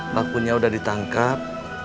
makunya udah ditangkap